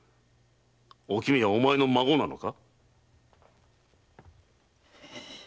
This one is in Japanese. おきみはお前の孫なのか？